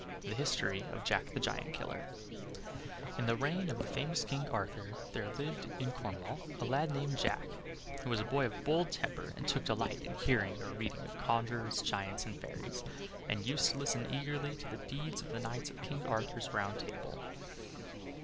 THE HISTORY OF JACK THE GIANT KILLER In the reign of the famous King Arthur there lived in Cornwall a lad named Jack, who was a boy of a bold temper, and took delight in hearing or reading of conjurers, giants, and fairies; and used to listen eagerly to the deeds of the knights of King Arthur's Round Table.